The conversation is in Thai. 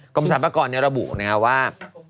กรมสรรพากรระบุนะครับว่า